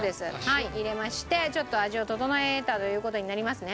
はい入れましてちょっと味を調えたという事になりますね。